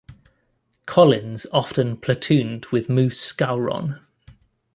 Collins often platooned with Moose Skowron.